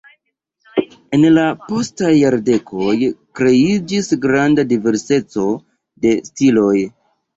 En la postaj jardekoj kreiĝis granda diverseco de stiloj.